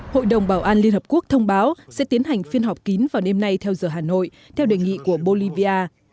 hội đồng bảo an liên hợp quốc thông báo sẽ tiến hành phiên họp kín vào đêm nay theo giờ hà nội theo đề nghị của bolivia